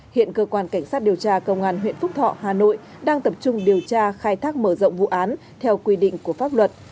hiện cơ quan cảnh sát điều tra công an huyện phúc thọ hà nội đang tập trung điều tra khai thác mở rộng vụ án theo quy định của pháp luật